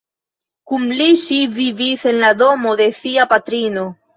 Kun li ŝi vivis en la domo se sia patrino.